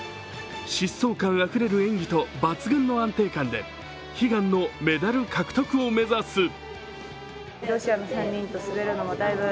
疾走感あふれる演技と抜群の安定感で悲願のメダル獲得を目指す。